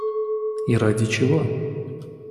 И ради чего?